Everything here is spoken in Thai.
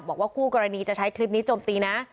บอกว่าคู่กรณีจะใช้คลิปนี้โจมตีนะ